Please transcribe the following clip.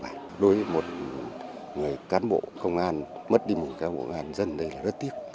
đối với một người cán bộ công an mất đi một người cán bộ công an dân này là rất tiếc